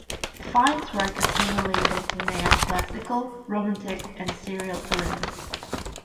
Fine's work assimilated neoclassical, romantic, and serial elements.